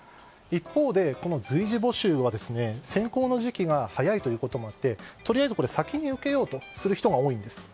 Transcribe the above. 一方で、随時募集は選考の時期が早いということもあってとりあえず先に受けようとする人が多いんです。